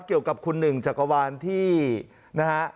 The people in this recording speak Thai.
เกี่ยวกับคุณหนึ่งจักรวาลที่นะฮะ